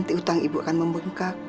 nanti utang ibu akan membengkak